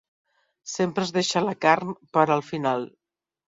Sempre es deixa la carn per al final.